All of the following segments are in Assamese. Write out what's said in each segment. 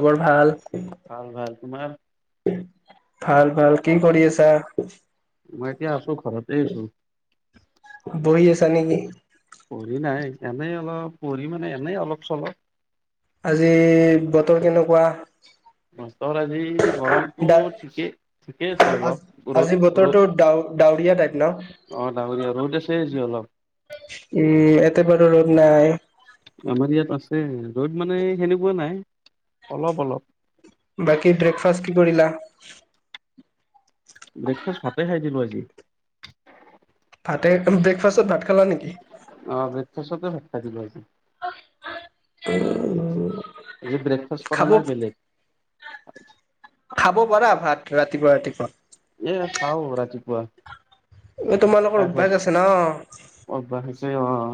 খবৰ ভাল ভাল ভাল তোমাৰ ভাল ভাল কি কৰি আছা মই এতিয়া আছো ঘৰতেইছো তনেকেই পঢ়ি নাই এনেই অলপ পঢ়ি মানে এনেই অলপ চলপ আজি বতৰ কেনেকুৱা বতৰ আজি গৰমটো ডা ঠিকেই ঠিকে আছে অলপ আজি ৰদ বতৰটো ডাও ডাৱৰীয়া টাইপ ন অ ডাৱৰীয়া ৰ'দ আছে যি অলপ উম এতে বাৰু ৰ'দ নাই আমাৰ ইয়াত আছে ৰ'দ মানে সেনেকুৱা নাই অলপ অলপ বাকি ব্ৰেকফাষ্ট কি কৰিলা ব্ৰেকফাষ্ট ভাতে খাই দিলো আজি ভাতে ব্ৰেকফাষ্টত ভাত খালা নেকি অ ব্ৰেকফাষ্ট তে ভাত খাই দিলোঁ আজি [inaudible] যে ব্ৰেকফাষ্ট কৰা খাব নাই বেলেগ খাব পাৰা ভাত ৰাতিপুৱা ৰাতিপুৱা এ খাও ৰাতিপুৱা এই তোমালোকৰ প্ৰায় হয়। অভ্যাস আছে ন অভ্যাস অ হৈছে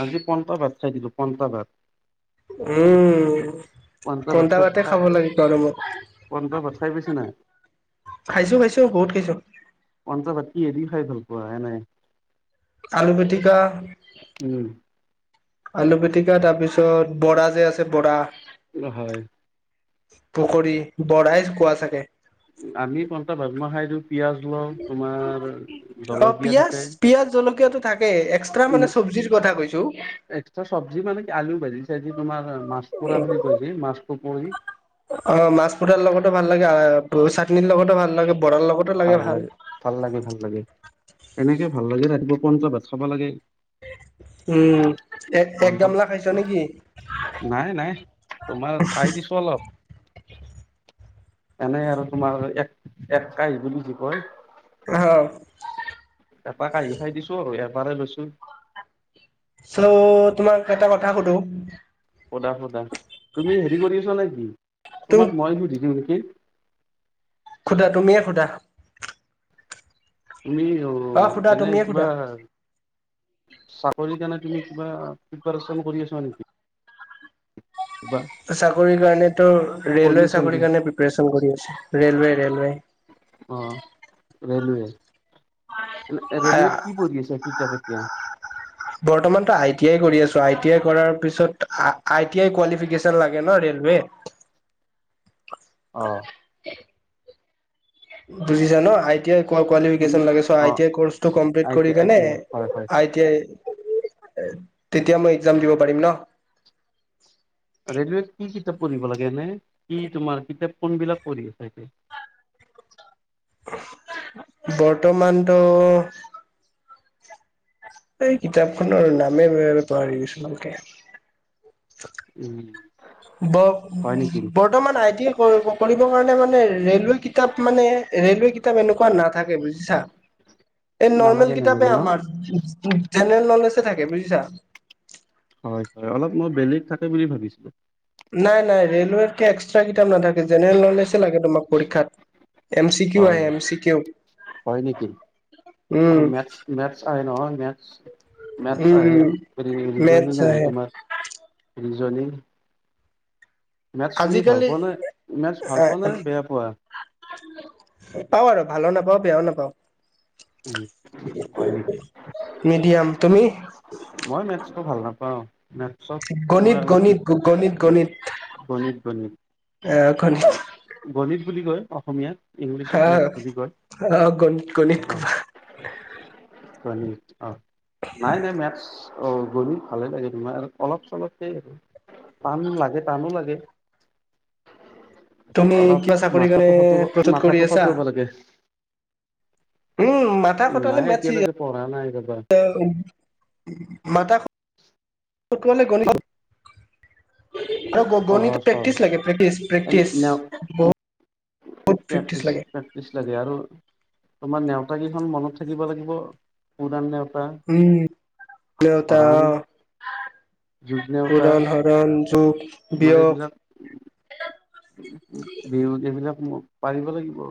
আজি পন্ন্তা ভাত চাইিলো পন্ন্তা ভাত উম পন্টা ভাতে খাব লাগে গৰমত [unintelligible] খাইছো খাইছো বহুত খাইছো কি এদি খাই ভাল পোৱা হে নাই আলু পিটিকা উম আলু পিতিকা তাৰপিছত বৰা যে আছে বৰা হয় পুখুৰী বৰাই কোৱা চাগে আমি পন্তা ভাট ম খাইটো পিযয়াজ লওঁ তোমাৰ অ জলকীয়া পিয়াজ থাকে পিয়াজ জলকীয়াটো থাকেই এক্সট্ৰা মানে চব্জিৰ কথা কৈছো এক্সট্ৰা চবজি মানে কি আলু ভাজি চাজি তোমাৰ মাছ পোৰা বুলি কৈছে মাছ [unintelligible] অ মাছ পতাৰ লগতো ভাল লাগে চাটনিৰ লগতো ভাল লাগে ভাল লাগে, ভাল লাগে, ভাল লাগে এনেকে ভাল লাগে ৰাতিপুৱা [unintelligible] ভাত খাব লাগে উম এক এক গামলা খাইছ নেকি নাই, নাই, তোমাৰ খাই দিছো অলপ এনেই আৰু তোমাৰ এক, এক কাই বুলি যি কয় আহ এপাক আহি খাই দিছো আৰু ইয়াৰ [unintelligible] লৈছিল চ' তোমাক এটা কথা সুধো। সদা, সদা, তুমি হেৰি কৰি আছো নেকি তুম তোমাক মই সুধিছো কি? সুধা তুমিয়ে সুধা। তুমি অ এনে তুমিয়ে কিবা সোধা চাকৰি কাৰণ তুমি কিবা প্ৰিপাৰেচন কৰি আছা নেকি? কিবা চাকৰিৰ কাৰণেতো, কৰি ৰেলৱে আছা চাকৰি নেকি? কাৰণে প্ৰিপৰেচন কৰি আছো, ৰেলৱে, ৰেলৱে। অ' [inaudible] ৰেলৱেত কি পঢ়ি আছা কি [inaudible] বৰ্তমানতো আই টি আই কৰি আছো, আই টি আই কৰাৰ পিছত, আই টি আই কোৱালিফিকেচন লাগে ন ৰেলৱে আহ বুজিছা ন? আই টি আই তুমি কোৱালিফিকেচন লাগে চ' আই অ' টি আই কোৰ্চটো কমপ্লিট আই টি কৰি আই কেনে টি আই হয় হয় আই টি আই তেতিয়া মই এক্সাম দিব পাৰিম ন। ৰেলৱেত কি কিতাপ পঢ়িব লাগে এনে, কি তোমাৰ কিতাপ কোনবিলাক পঢ়ি আছ বৰ্তমানটো এই কিতাপখনৰ নামেই [unintelligible] উম ব হয় নেকি? বৰ্তমান আই টি কৰিব, কৰিব কাৰণে মানে ৰেলৱে কিতাপ মানে ৰেলৱে কিতাপ এনেকুৱা নাথাকে বুজিছা? এই নালাগে নৰ্মেল নালাগে কিতাপে ন? আমাৰ জেনেৰেল নলেজে থাকে বুজিছা? হয়, হয়, অলপ মই বেলেগ থাকে বুলি ভাবিছিলো। নাই, নাই, ৰেলৱে [unintelligible] এক্সট্ৰা কিতাপ নাথাকে জেনেৰেল নলেজে লাগে তোমাক পৰীক্ষাত। এম চি কিউ হয়, আহে এম চি কিউ হয়, নেকি আৰু উম মে মেথছ আহে, নহয়? মেথছ মেথছ উম আহে উম। মেথছ আহে [unintelligible] তোমাৰ [inaudible] মেথছ তুমি ভাল আজিকালি পোৱা নে? মেথছ ভাল পোৱা নে বেয়া পোৱা? পাও আৰু ভালো নাপাওঁ বেয়াও নাপাওঁ। উম হয় নেকি? মিডিয়াম তুমি মই মেথচ টো ভাল নাপাওঁ, মে গণিত-গণিত গণিত-গণিত। গণিত গণিত আহখনহেহ। গণিত বুলি কয় অসমীয়। হা আহ গণিত গণিত অ কুমাৰ অ নাই নাই মেথছ অ গণিতলে ভালেই লাগে তোমাৰ অলপ চলপকে আৰু টান লাগে টানো লাগে! তুমি অলপ কিবা চাকৰি কাৰণে মাথাটো খতিব প্ৰস্তুত কৰি মাথাটো আছা? খটুৱাব লাগে। উম মাথা খটালে নাই মেতচি এতিয়ালৈকে পঢ়া নাই ৰবা [unintelligible] মাথা খ টোৱালে গণিত [unintelligible] আৰু সহজ গণিত সহজ প্ৰেক্টিচ লাগে প্ৰেক্টিচ প্ৰেক্টিচ এনে বহ [unintelligible] বুত প্ৰেক্টিচ লাগে। প্ৰেক্টিচ লাগে আৰু তোমাৰ নেওতা কেইখন মনত থাকিব লাগিব, উদান নওত উম নেউতা যোগ নেওতা পুৰণ, হৰণ। যুগ, তোমাৰ এইবিলাক বিহুত এইবিলাক পাৰিব লাগিব।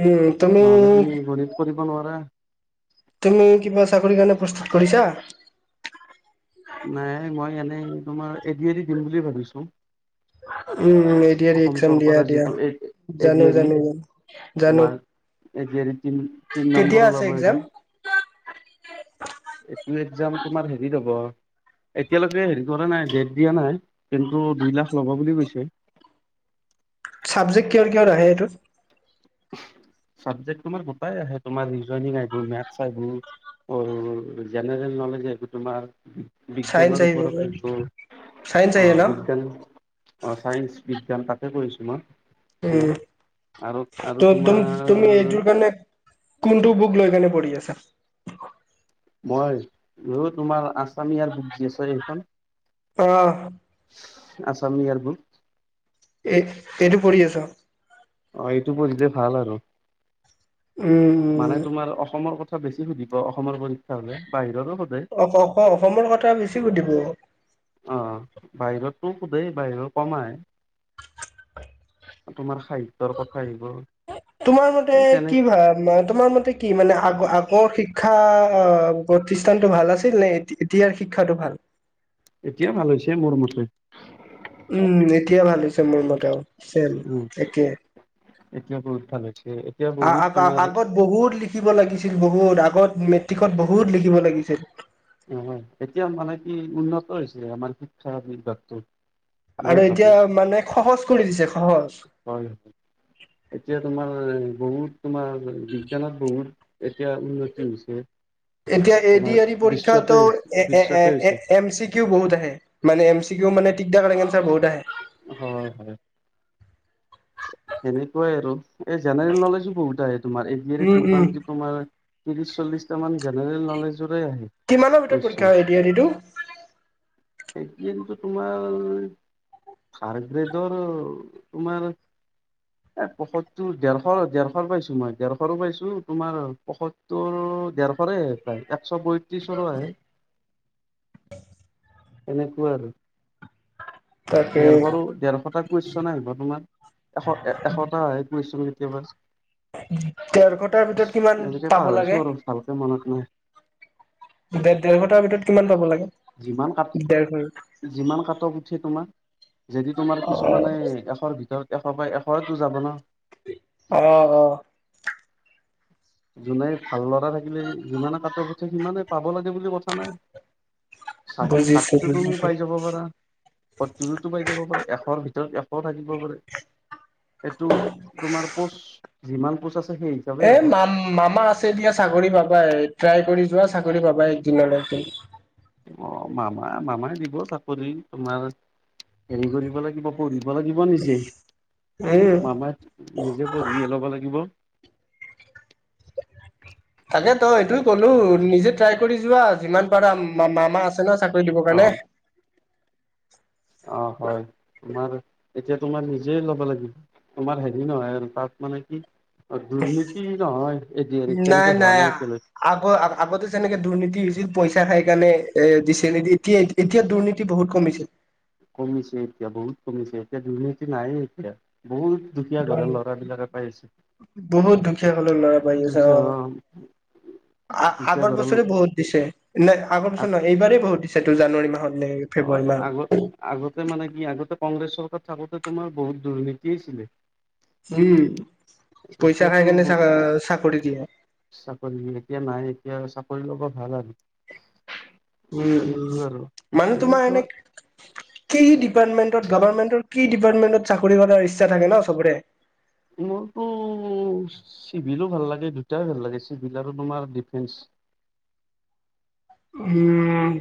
[inaudible] উম তুমি নহ'লে তুমি গণিত কৰিব নোৱাৰা। তুমি কিবা চাকৰি কাৰণে প্ৰস্তুত কৰিছা? নাই মই এনেই তোমাৰ এ দি আৰ ই দি দিম বুলি ভাবিছোঁ। হয়। অসম চৰকাৰৰ যিটো এ দি জানো আৰ ই জানো জানো জানো তোমাৰ এ তিন কেতিয়া নম্বৰৰ আছে লব এক্সাম এইবাৰ এইটো একজাম তোমাৰ হেৰিত হ'ব। এতিয়ালৈকে হেৰি কৰা নাই ডেট দিয়া নাই কিন্তু দুই লাখ ল'ব বুলি কৈছে। ছাবজেক্ট কিহৰ কিহৰ আহে এইটোত? চাবজেক্ট তোমাৰ গোটাই আহে তোমাৰ ৰিজইং আহিব মেথছ আহিব জেনেৰেল নলেজ আহিব তোমাৰ বিজ্ঞানৰ ওপৰত আহিব চাইন্স অ আহে ন বিজ্ঞান অ ছায়ন্স বিজ্ঞান তাতে কৰিছোঁ মই। ম আৰু ম তোমাৰ তুমি এইটোৰ কাৰণে কোনটো বুক [unintelligible] মই তোমাৰ আছামিয়াৰ বুকজি আছ এইখন। অ। অসম ইয়ৰ বুক। এ এইটো পঢ়ি আছ। অ এইটো পঢ়িলে ভাল আৰু উম মানে উম তোমাৰ অসমৰ কথা বেছি সুধিব অসমৰ পৰীক্ষা হলে বাহিৰো অ ক অসমৰ কথা বেছি সুধিব। অ বাহিৰটো সোধেই বাহিৰত কম আহে। [inaudible] তোমাৰ সাহিত্যৰ কথা আহিব। তোমাৰ মতে এই তেনে কি ভ তোমাৰ মতে কি মানে আগ আগৰ শিক্ষা আ প্ৰতিষ্ঠানটো ভাল আছিল নে এতিয়াৰ শিক্ষাটো ভাল? এতিয়া ভাল হৈছে মোৰ মতে। উম এতিয়া ভাল হৈছে মোৰ ম চ উম, একে [inaudible] এতিয়া বহুত ভাল হৈছে। এতিয়া আ বহুত অ তোমাৰ আগবত বহুত লিখিব লাগিছিল বহুত আগত মেট্ৰিকত বহুত লিখিব লাগিছিল। হয় এতিয়া মানে কি উন্নত হৈছে আমাৰ শিক্ষাৰ বিভাগটো। মই আৰু এতিয়া মানে সহজ কৰি দিছে সহজ। হয়-হয় এতিয়া তোমাৰ বহুত। তোমাৰ বিজ্ঞানত বহুত এতিয়া উন্নতি হৈছে এতিয়া এ ডি তোমাৰ আৰ ই বিশ্বতে পৰীক্ষাতো বিশ্বতে এ হৈছে এম চি কিউ বহুত আহে মানে এম চি কিউ মানে টিক থকা অন্স্বেৰ বহুত ত হয় হয়। সেনেকুৱাই আৰু। এই জেনেৰেল নলেজো বহুত আহে তোমাৰ, এ দি অৰ ই উম ত উম মোটামুটি তোমাৰ ত্ৰিশ-চল্লিশটা মান জেনেৰেল নলেজৰে আহে কিমানৰ ভিতৰত পৰীক্ষা এ দি আৰ ই টো? এ কিন্তু তোমাৰ থাৰ্ডগ্ৰেডৰ তোমাৰ এ পসতটো ডৰশৰ ডেৰশৰ পাইছো মই, ডেৰশৰো পাইছো তোমাৰ পসতটোৰ ডেৰশৰে প্ৰায়। চব বৈতিছৰো আহে। এনেকুৱা আৰু। তাকে দেৰশৰো ডেৰশটা কোৱেচন আহিব তোমাৰ। এশ এ এশটা গ [inaudible] [inaudible] কেতিয়াবা ডেৰশ তাৰ ভিতৰত কিমান এনেকে পাব পাহৰিছো লাগে? আৰু ভালকে মনত নাই ডেৰশ তাৰ ভিতৰত কিমান পাব লাগে? যিমান কা ডেৰ ঘন্টা যিমান কাট অফ উঠে তোমাক যদি তোমাৰ অ কিছুমানে এশৰ ধৰক এশ পই এশতো যাব ন। আহ আহ। যোনে ভাল লৰা থাকিলে যিমানে কাত অফ উঠে সিমানে পাব লাগে বুলি কথা নাই। চা বুজিছো ষাঠিটো তুমি বুজিছো পাই যাব পাৰা, সত্তৰটোতো পাই যাব পাৰা এশৰ ভিতৰত এশ থাকিব পাৰে এইটো তোমাৰ পচ যিমান পোচ আছে সেই হিচাপে এ হ'ব মাম মামা আছে এতিয়া চাগৰি পাবাই ট্ৰাই কৰি যোৱা চাকৰি পাবা একদিন এনেকে। অ, মামা-মামাই দিব চাকৰি তোমাৰ। হেৰি কৰিব লাগিব, পঢ়িব লাগিব নিজে। উম মামাই নিজে পঢ়িহে ল'ব লাগিব। এ তই এইটোৱো কলো নিজে ট্ৰাই কৰি যোৱা যিমান পাৰা মাম মামা আছে ন চাকৰি দিবৰ অ কাৰণে অ হয় তোমাৰ এতিয়া তোমাৰ নিজে ল'ব লাগিব। তোমাৰ হেৰি নহয় আৰু তাত মানে কি দুৰ্নীতি নহয় এ নাই, তেনেকে হোৱা নাই এতিয়ালৈকে আগ-আগতে যেনেকে দুৰ্নীতি হৈছিল। পইচা খাই কাৰণে এ দিছি এতিয়া এতিয়া দুৰ্নীতি বহুত কমিছে। কমিছে এতিয়া বহুত কমিছে এতিয়া দুৰ্নীতি নাইয়ে এতিয়া। বহুত দুখীয়া ঘৰৰ ল'ৰাবিলাকে পাই আছে বহুত দুখীয়ী কলেৰ লৰা পাৰি আছে দুখীয়া অ' দুখীয়া আগৰ বছৰে ঘৰৰ বহুত দিছে ন আগৰ বছৰ নহয় এইবাৰেই বহুত দিছে টো জানুৱাৰী মাহত। নে ফেব্ৰুৱাৰী হয়। মাহত আগত, আগতে মানে কি? আগতে কংগ্ৰেছ চৰকাৰ থাকোতে তোমাৰ, বহুত দুৰ্নীতি আছিলে। উম পইচা খাই এতিয়াটো কেনে ব, চা চাকৰি দিয়ে চাকৰি এতিয়া নাই, এতিয়া চাক কৰি ল'ব ভাল আৰু। উম, সেইটো আৰু উম মানে তোমাৰ এনেকুৱা এনে কিহ দ ডিপাৰ্টমেটত, গভমেণ্টৰ কি ডিপাৰ্টমেণ্টত চাকৰি কৰাৰ ইচ্ছা থাকে ন' চবৰে। মোৰতো চিভিলো ভাল লাগে দুটাই ভাল লাগে চিভিল আৰু তোমাৰ ডিফেন্স উম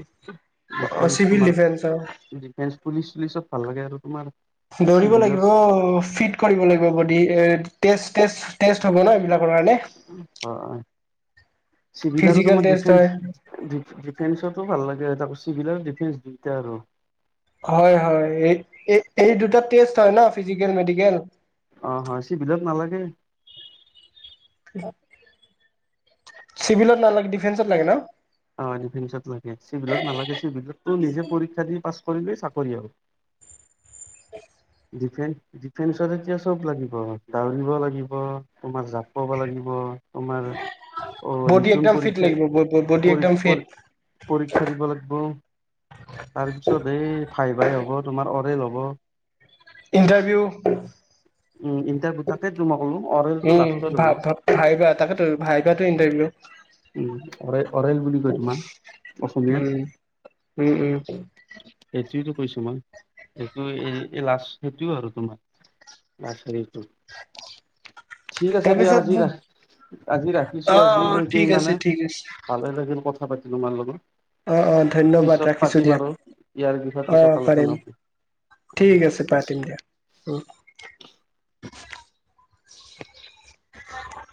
অ', ডিফেন্স চিভিল তোমাৰ ডিফেন্সৰ ডিফেন্স পুলিচ চুলিচত ভাল লাগে আৰু তোমাৰ দৌৰিব চিভিলত লাগিব ফিট কৰিব লাগিব বডি এ টেষ্ট, টেষ্ট, টেষ্ট হ'ব ন এইলাক? হয় চিভিল আৰু ফিজিকেল তোমাৰ টেষ্ট ডিফেন্ হয় ডিফেন্সটো ভাল লাগে এ চিভিল আৰু ডিফেন্স দুইটাই আৰু। হয় হয় এই দুটা টেষ্ট হয় ন ফিজিকেল মেডিকেল অ', হয় চিভিলত নালাগে। [unintelligible] চিভিলত নালাগে ডিফেন্সত লাগে ন? অ', ডিফেন্সত লাগে চিভিলত নালাগে চিভিলতো নিজে পৰীক্ষা দি পাছ কৰিলে চাকৰি হ ডিফে ডিফেন্সত এতিয়া চব লাগিব দাউৰিব লাগিব তোমাৰ জাপাব লাগিব। তোমাৰ অ বডি ৰিণ একদম ফিট লাগিব বডি একদম পৰীক্ষা ফিট পৰীক্ষা দিব লাগিব। তাৰ পিছত এই ভাইভাই হ'ব। তোমাৰ অৰেইল হ'ব ইণ্টাৰভিউ উম ইণ্টাৰভিউ তাকে তোমাক ক'লো অৰেলটো লাষ্টত উম, হ'ব ভ-ভাইভা তাকেতো ভাইভাটো ইণ্টাৰভিউ। উম, অৰে অৰেল বুলি কয় তোমাৰ অসমীয়াত উম উম উম সেইটোৱেটো কৈছো মই। সেইটো এই এ লাষ্ট সেইটোৱে আৰু তোমাৰ। লাষ্ট হে ঠিক আছে দিয়া তাৰপিছত আজি ৰা আজি অ ৰাখিছো আজি অ লৈ ঠিক আছে ঠিক আছে। থা পাতিলো মাৰ লগত। অ-অ, ধন্যবাদ পিছত ৰাখিছোঁ পাতিম দিয়া। আৰু ইয়াৰ বিষয়ে অ, পিছত আলোচনা পাৰিম। কৰিম ঠিক আছে পাতিম দিয়া। অ। [inaudible]